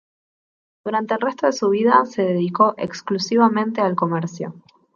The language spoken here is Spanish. Durante el resto de su vida se dedicó exclusivamente al comercio.